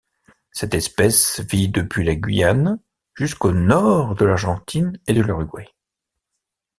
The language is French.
Cette espèce vit depuis la Guyane jusqu'au nord de l'Argentine et de l'Uruguay.